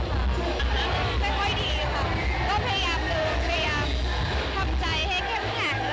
ไม่ค่อยดีค่ะก็พยายามลืมพยายามทำใจให้เข้มแข็ง